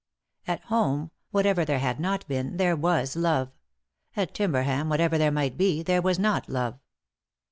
At home, whatever there had not been, there was love ; at Timberham, whatever there might be, there was not love.